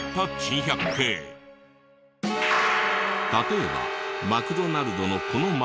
例えばマクドナルドのこのマーク。